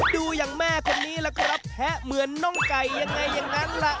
ดูอย่างแม่คนนี้ล่ะครับแทะเหมือนน้องไก่ยังไงอย่างนั้นล่ะ